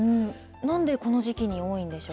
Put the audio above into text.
なんで、この時期に多いんでしょうか？